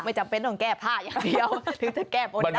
จำเป็นต้องแก้ผ้าอย่างเดียวถึงจะแก้บนได้